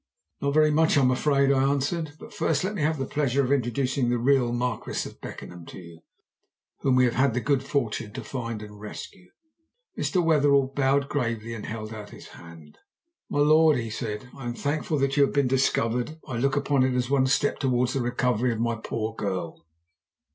"Not very much, I'm afraid," I answered. "But first let me have the pleasure of introducing the real Marquis of Beckenham to you, whom we have had the good fortune to find and rescue." Mr. Wetherell bowed gravely and held out his hand. "My lord," he said, "I am thankful that you have been discovered. I look upon it as one step towards the recovery of my poor girl.